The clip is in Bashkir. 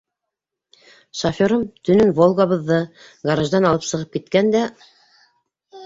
Шоферым төнөн «Волга»быҙҙы гараждан алып сығып кикән дә...